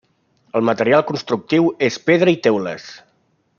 El material constructiu és pedra i teules.